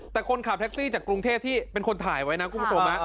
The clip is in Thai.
แต่คนขับแท็กซี่จากกรุงเทพที่เป็นคนถ่ายไว้นะคุณผู้ชม